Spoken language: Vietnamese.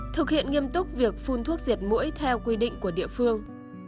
thực hiện nghiêm túc việc phun thuốc diệt mũi theo quy định của địa phương